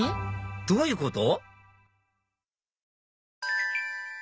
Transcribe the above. どういうこと？